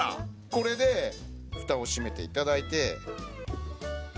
これでフタを閉めて頂いて。